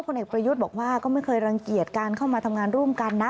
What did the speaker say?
เอกประยุทธ์บอกว่าก็ไม่เคยรังเกียจการเข้ามาทำงานร่วมกันนะ